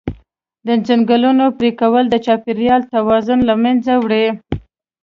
د ځنګلونو پرېکول د چاپېریال توازن له منځه وړي.